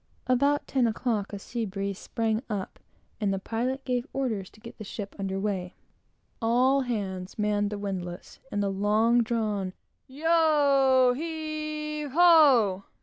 About ten o'clock, a sea breeze sprang up, and the pilot gave orders to get the ship under weigh. All hands manned the windlass, and the long drawn "Yo, heave, ho!"